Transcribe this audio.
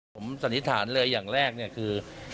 ผมสันนิษฐานเลยอย่างแรกเนี่ยคือ